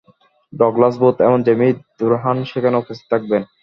Douglas Booth এবং Jamie Dornan সেখানে উপস্থিত থাকবেন।